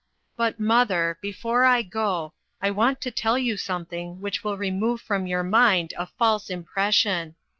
But, mother, before I go, I want to tell you something which will remove from your mind a false impression.